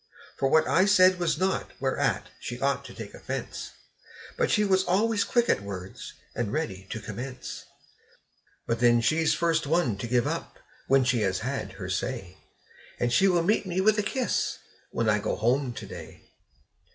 For what I said was naught whereat she ought to take offense; And she was always quick at words and ready to commence. But then she's first one to give up when she has had her say; And she will meet me with a kiss, when I go home to day.